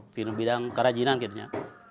di bidang kerajinan gitu ya